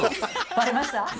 バレました？